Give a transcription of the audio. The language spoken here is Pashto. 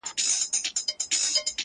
تنها نوم نه چي خِصلت مي د انسان سي